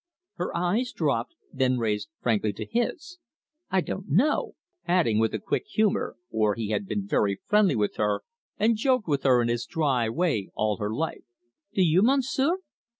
Her eyes dropped, then raised frankly to his. "I don't know," adding, with a quick humour, for he had been very friendly with her, and joked with her in his dry way all her life; "do you, Monsieur?"